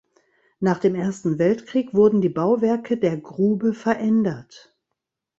Nach dem Ersten Weltkrieg wurden die Bauwerke der Grube verändert.